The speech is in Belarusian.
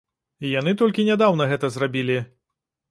І яны толькі нядаўна гэта зрабілі.